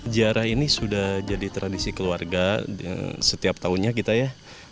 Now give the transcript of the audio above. ziarah ini sudah jadi tradisi keluarga setiap tahunnya kita ya